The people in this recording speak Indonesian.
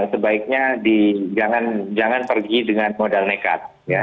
sebaiknya jangan pergi dengan modal nekat